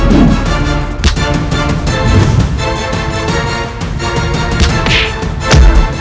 ya allah semoga kakinya tidak ada apa apa